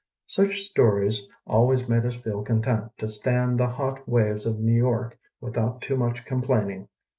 Such stories always made us feel content to stand the hot waves of New York without too much complaining.